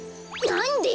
なんで！